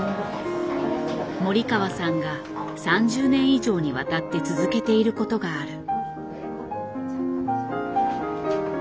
森川さんが３０年以上にわたって続けていることがある。